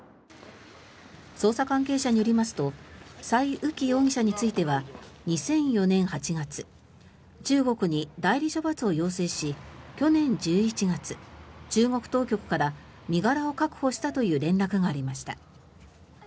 捜査関係者によりますとサイ・ウキ容疑者については２００４年８月中国に代理処罰を要請し去年１１月、中国当局から身柄を確保したという連絡がありました。